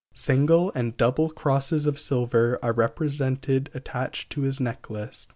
Single and double crosses of silver are represented attached to his necklace.